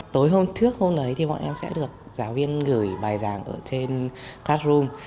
tối hôm trước hôm đấy thì bọn em sẽ được giáo viên gửi bài giảng ở trên classroom